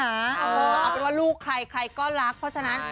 เอาเป็นว่าลูกใครใครก็รักเพราะฉะนั้น